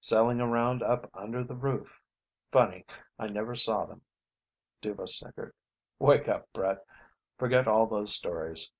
Sailing around up under the roof? Funny; I never saw them." Dhuva snickered. "Wake up, Brett. Forget all those stories.